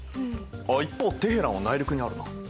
一方テヘランは内陸にあるな。